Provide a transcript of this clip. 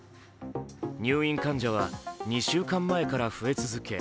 入院患者は２週間前から増え続け